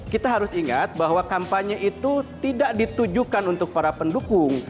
kita harus ingat bahwa kampanye itu tidak ditujukan untuk para pendukung